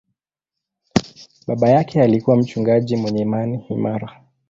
Baba yake alikuwa mchungaji mwenye imani imara.